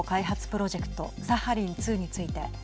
プロジェクトサハリン２について。